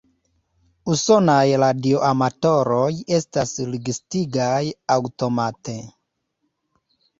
Usonaj radioamatoroj estas listigitaj aŭtomate.